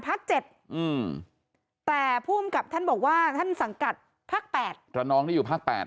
๗แต่ผู้อำกับท่านบอกว่าท่านสังกัดภาค๘ระนองนี่อยู่ภาค๘